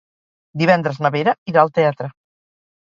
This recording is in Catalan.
Divendres na Vera irà al teatre.